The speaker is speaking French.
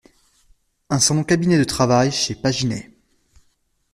Un salon-cabinet de travail chez Paginet.